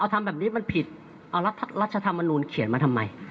ทำแบบนี้มันผิดเอารัฐธรรมนูลเขียนมาทำไม